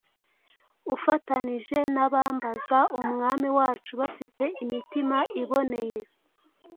ufatanije n’abambaza Umwami wacu bafite imitima iboneye.